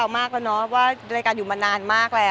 ก็ยังไม่ได้คิดเรื่องตรงนี้นะครับ